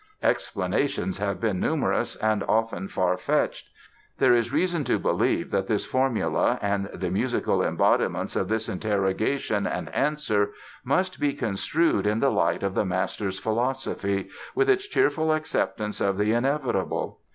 Explanations have been numerous and often far fetched. There is reason to believe that this formula and the musical embodiments of this interrogation and answer must be construed in the light of the master's philosophy, with its cheerful acceptance of the inevitable.